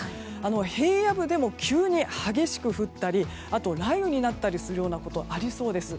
平野部でも急に激しく降ったりあと、雷雨になったりすることがありそうです。